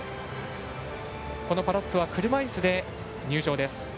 このパラッツォは車いすで入場です。